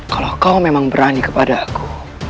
kalau kau memang berani kepada aku